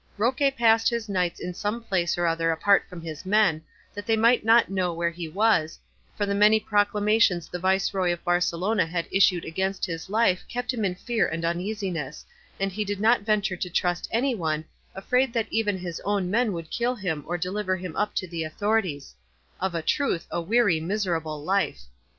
Roque passed his nights in some place or other apart from his men, that they might not know where he was, for the many proclamations the viceroy of Barcelona had issued against his life kept him in fear and uneasiness, and he did not venture to trust anyone, afraid that even his own men would kill him or deliver him up to the authorities; of a truth, a weary miserable life!